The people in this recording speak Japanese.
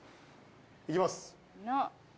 いきます。